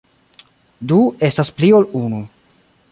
Du estas pli ol unu.